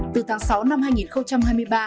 từ tháng sáu năm hai nghìn hai mươi ba